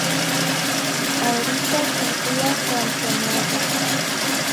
In ahorita quiluia Rancho Nuevo.